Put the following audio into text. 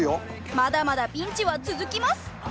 まだまだピンチは続きます。